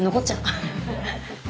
ハハハッ。